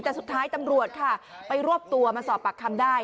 แต่สุดท้ายตำรวจค่ะไปรวบตัวมาสอบปากคำได้